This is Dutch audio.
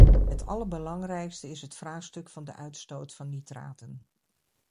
Het allerbelangrijkste is het vraagstuk van de uitstoot van nitraten.